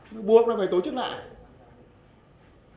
nó buộc nó phải tổ chức lại